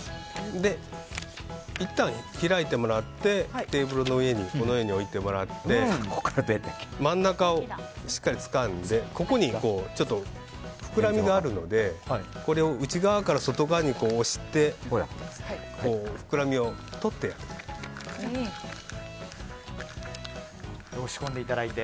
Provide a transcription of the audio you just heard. いったん、開いてもらってテーブルの上にこのように置いてもらって真ん中をしっかりつかんでここに、膨らみがあるのでこれを内側から外側に押してふくらみを取ってやってください。